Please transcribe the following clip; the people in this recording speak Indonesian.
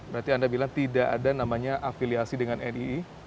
berarti anda bilang tidak ada namanya afiliasi dengan nii